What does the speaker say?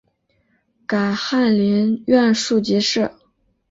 改翰林院庶吉士。